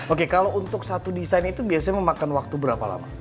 oke kalau untuk satu desain itu biasanya memakan waktu berapa lama